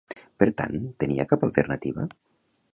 Per tant, tenia cap alternativa?